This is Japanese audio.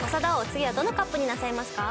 次はどのＣＵＰになさいますか？